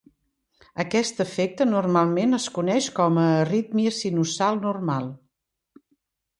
Aquest efecte normalment es coneix com a arrítmia sinusal normal.